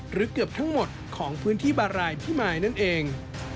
เกือบทั้งหมดของพื้นที่บารายพิมายนั่นเอง